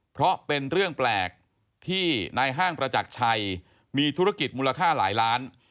เพราะเป็นเรื่องแปลกที่นายห้างประจักรชัยมีธุรกิจมูลค่าหลายล้าน